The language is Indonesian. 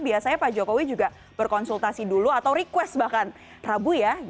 biasanya pak jokowi juga berkonsultasi dulu atau request bahkan rabu ya